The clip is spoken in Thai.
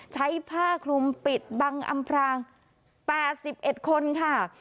ใช้ผ้าคลุมปิดบังอำพราง๘๑คนค่ะ